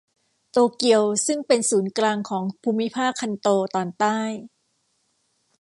โตเกียวซึ่งเป็นศูนย์กลางของภูมิภาคคันโตตอนใต้